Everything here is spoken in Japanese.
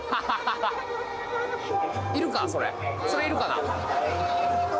はっそれいるかな？